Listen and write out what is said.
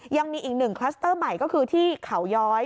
ยังมีอีกหนึ่งคลัสเตอร์ใหม่ก็คือที่เขาย้อย